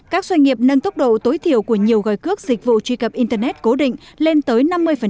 các doanh nghiệp nâng tốc độ tối thiểu của nhiều gói cước dịch vụ truy cập internet cố định lên tới năm mươi